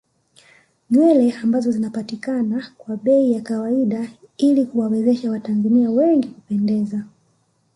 Nywele ambazo zinapatikama kwa bei ya kawaida ili kuwawezesha watanzania wengi kupendeza